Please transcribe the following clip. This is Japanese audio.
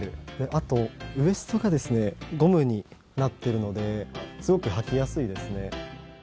あと、ウエストがゴムになってるのですごくはきやすいですね。